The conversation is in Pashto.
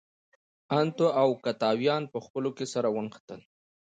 انتو او اوکتاویان په خپلو کې سره ونښتل.